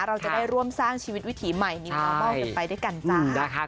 เราจะได้ร่วมสร้างชีวิตวิถีใหม่นี้ชาวบ้านกันไปด้วยกันจ้า